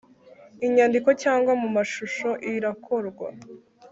inyandiko cyangwa mu mashusho irakorwa